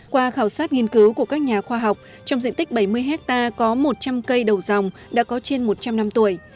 qua khảo sát nghiên cứu của các nhà khoa học trong diện tích bảy mươi hectare có một trăm linh cây đầu dòng đã có trên một trăm linh năm tuổi